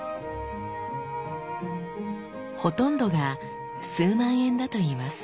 ほとんどが数万円だといいます。